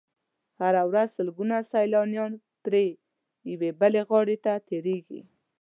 هره ورځ سلګونه سیلانیان پرې یوې بلې غاړې ته تېرېږي.